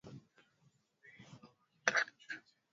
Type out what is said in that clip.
tengeneze mikate unayotaka kutoka kwenye unga